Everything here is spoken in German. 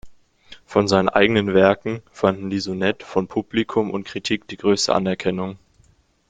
Von seinen eigenen Werken fanden die Sonette von Publikum und Kritik die größte Anerkennung.